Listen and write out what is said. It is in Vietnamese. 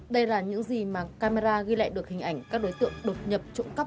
đây là những gì mà camera ghi lại được hình ảnh các đối tượng đột nhập trộm cắp